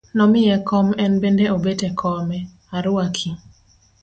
Nomiye kom en bende obet e kome, aruaki.